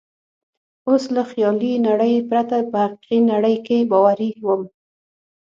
اوس له خیالي نړۍ پرته په حقیقي نړۍ کې باوري وم.